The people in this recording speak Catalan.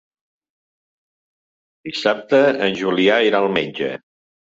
Dissabte en Julià irà al metge.